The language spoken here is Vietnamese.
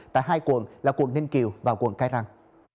tại hai quận là quận ninh kiều và quận cái răng